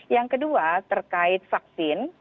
yang kedua terkait vaksin